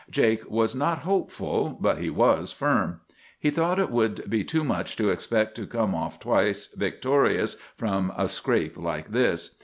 "Jake was not hopeful, but he was firm. He thought it would be too much to expect to come off twice victorious from a scrape like this.